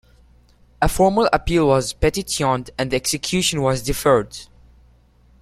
A formal appeal was petitioned and the execution was deferred.